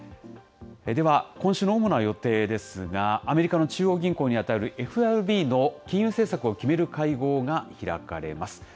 では、今週の主な予定ですが、アメリカの中央銀行に当たるＦＲＢの金融政策を決める会合が開かれます。